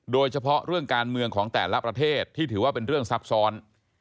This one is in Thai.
โดยเฉพาะเรื่องการเมืองของแต่ละประเทศที่ถือว่าเป็นเรื่องซับซ้อน